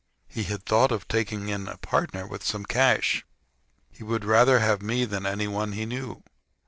He had thought of taking in a partner with some cash. He would rather have me than any one he knew.